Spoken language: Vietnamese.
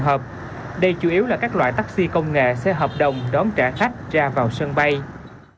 hợp đây chủ yếu là các loại taxi công nghệ xe hợp đồng đón trả khách ra vào sân bay